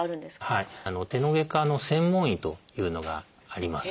手の外科の専門医というのがあります。